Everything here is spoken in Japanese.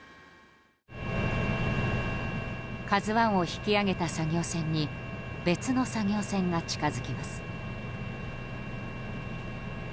「ＫＡＺＵ１」を引き揚げた作業船に別の作業船が近づきます。